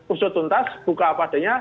usut tuntas buka apa adanya